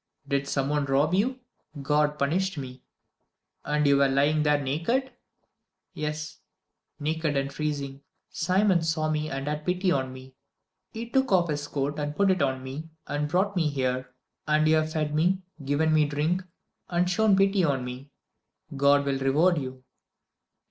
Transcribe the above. "Did some one rob you?" "God punished me." "And you were lying there naked?" "Yes, naked and freezing. Simon saw me and had pity on me. He took off his coat, put it on me and brought me here. And you have fed me, given me drink, and shown pity on me. God will reward you!"